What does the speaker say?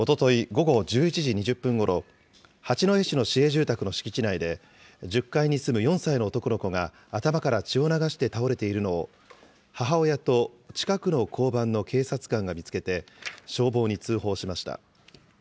午後１１時２０分ごろ、八戸市の市営住宅の敷地内で、１０階に住む４歳の男の子が頭から血を流して倒れているのを、母親と近くの交番の警察官が見つけて、消防に通報しました。